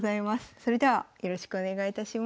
それではよろしくお願いいたします。